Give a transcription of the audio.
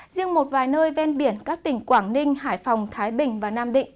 riêng một vài nơi ven biển các tỉnh quảng ninh hải phòng thái bình và nam định